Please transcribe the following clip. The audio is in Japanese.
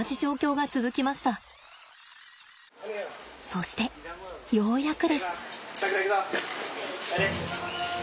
そしてようやくです。